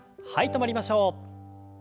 止まりましょう。